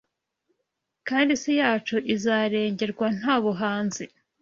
kandi isi yacu izarengerwa Nta buhanzi